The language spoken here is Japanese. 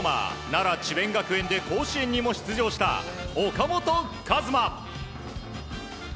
奈良、智弁学園で甲子園にも出場した岡本和真。